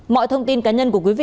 mọi thông tin cá nhân của quý vị